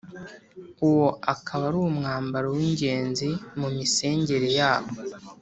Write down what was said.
uwo ukaba ari umwambaro w’ingenzi mu misengere yabo